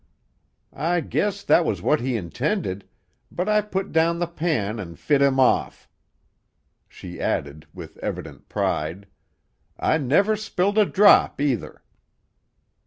"I guess that was what he intended, but I put down the pan an' fit him off." She added, with evident pride. "I never spilled a drop, either!"